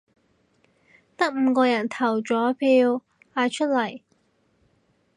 得五個人投咗票，喊出嚟